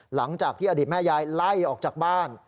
หลังจากที่อดีตแม่ยายไล่ออกจากบ้าน